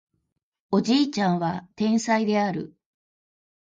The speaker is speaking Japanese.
おじいちゃんは天才である